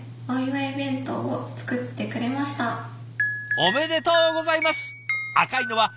おめでとうございます！